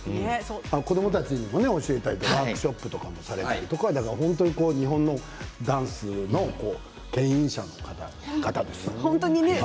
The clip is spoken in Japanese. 子どもたちもね教えたりワークショップとか日本のダンスのけん引者の方ですよね。